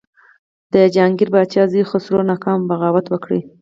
د جهانګیر پاچا زوی خسرو ناکام بغاوت وکړ.